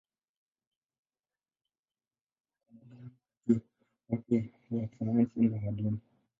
Kitabu kilikuwa kama bomu kati ya watu wa sayansi na wa dini.